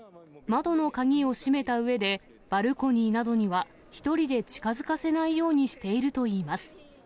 窓の鍵を閉めたうえで、バルコニーなどには１人で近づかせないようにしているといいます。